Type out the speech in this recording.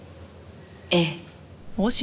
ええ。